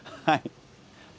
はい。